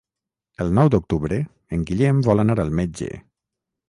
El nou d'octubre en Guillem vol anar al metge.